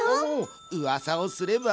うわさをすれば。